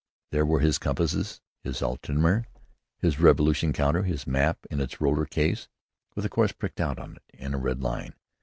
There were his compass, his altimétre, his revolution counter, his map in its roller case, with a course pricked out on it in a red line.